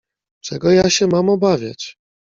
"Czego ja się mam obawiać??"